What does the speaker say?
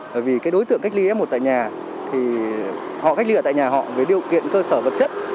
bởi vì cái đối tượng cách ly f một tại nhà thì họ cách ly tại nhà họ về điều kiện cơ sở vật chất